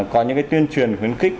có những cái tuyên truyền khuyến khích